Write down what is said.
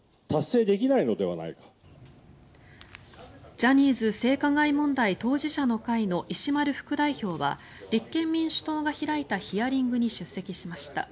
ジャニーズ性加害問題当事者の会の石丸副代表は立憲民主党が開いたヒアリングに出席しました。